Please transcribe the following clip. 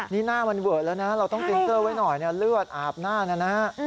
นี่หน้ามันเวอะแล้วนะเราต้องตินเกอร์ไว้หน่อยเลือดอาบหน้านะฮะ